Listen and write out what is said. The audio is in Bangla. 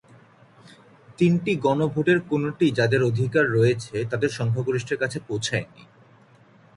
তিনটি গণভোটের কোনটিই যাদের অধিকার রয়েছে তাদের সংখ্যাগরিষ্ঠের কাছে পৌঁছায়নি।